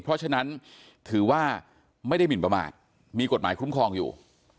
เพราะฉะนั้นถือว่าไม่ได้หมินประมาทมีกฎหมายคุ้มครองอยู่